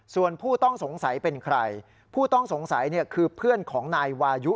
ส่วนผู้ต้องสงสัยเป็นใครผู้ต้องสงสัยเนี่ยคือเพื่อนของนายวายุ